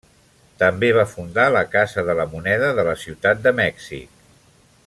També va fundar la Casa de la Moneda de la Ciutat de Mèxic.